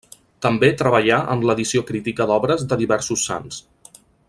També treballà en l'edició crítica d'obres de diversos sants.